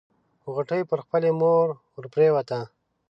غوټۍ پر خپلې مور ورپريوته.